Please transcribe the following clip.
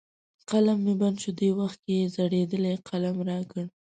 قلم مې بند شو، دې وخت کې یې زړېدلی قلم را کړ.